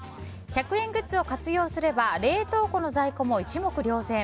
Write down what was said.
１００円グッズを活用すれば冷凍庫の在庫も一目瞭然。